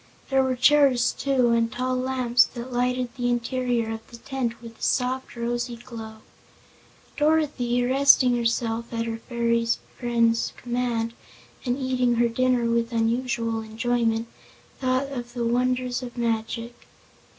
There were chairs, too, and tall lamps that lighted the interior of the tent with a soft, rosy glow. Dorothy, resting herself at her fairy friend's command, and eating her dinner with unusual enjoyment, thought of the wonders of magic.